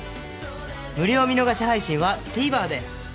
無料見逃し配信は ＴＶｅｒ で